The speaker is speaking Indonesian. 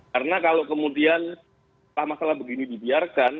karena kalau kemudian masalah begini dibiarkan